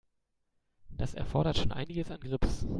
Das erfordert schon einiges an Grips.